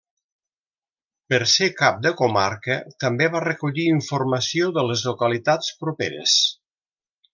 Per ser cap de comarca, també va recollir informació de les localitats properes.